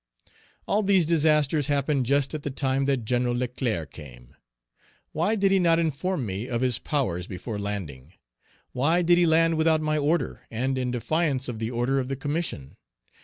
All these disasters happened just at the time that Gen. Leclerc came. Why did he not inform me of his powers before landing? Why did he land without my order and in defiance of the order of the Commission?